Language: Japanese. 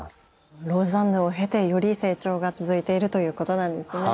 ローザンヌを経てより成長が続いているということなんですね。